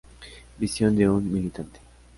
Visión de un Militante".